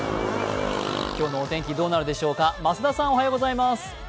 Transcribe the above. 今日のお天気どうなるでしょうか。